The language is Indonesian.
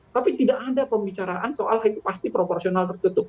tapi tidak ada pembicaraan soal itu pasti proporsional tertutup